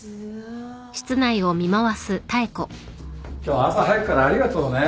今日朝早くからありがとうね。